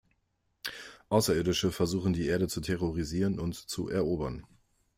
Außerirdische versuchen die Erde zu terrorisieren und zu erobern.